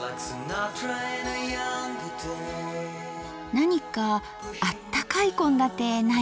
何かあったかい献立ないかな？